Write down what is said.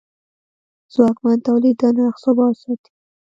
ځواکمن تولید د نرخ ثبات ساتي.